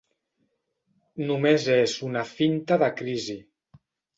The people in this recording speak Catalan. Només és una finta de crisi.